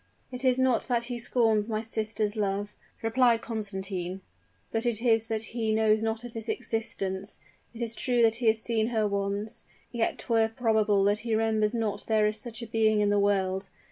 "It is not that he scorns my sister's love," replied Constantine; "but it is that he knows not of its existence. It is true that he has seen her once yet 'twere probable that he remembers not there is such a being in the world.